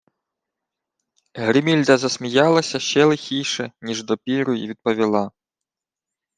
Гримільда засміялася ще лихіше, ніж допіру, й відповіла;